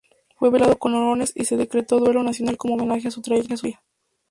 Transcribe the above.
Fue velado con honores y se decretó duelo nacional como homenaje a su trayectoria.